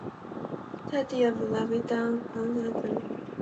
Tati is of Latvian ancestry.